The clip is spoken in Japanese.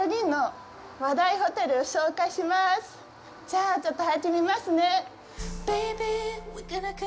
じゃあ、ちょっと入ってみますね。